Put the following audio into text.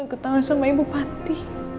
mengetahui sama ibu panti